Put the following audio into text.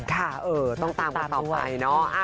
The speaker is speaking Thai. ค่ะเออต้องตามกันต่อไป